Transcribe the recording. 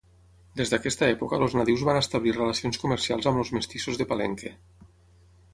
Des d'aquesta època els nadius van establir relacions comercials amb els mestissos de Palenque.